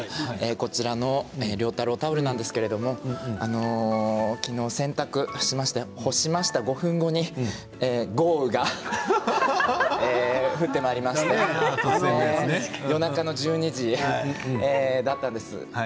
こちらの涼太郎タオルなんですけれども昨日、洗濯しまして干しました５分後に豪雨降ってまいりまして夜中の１２時だったんです。